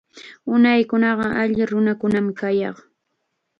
Unaykunaqa alli nunakunam kayaq.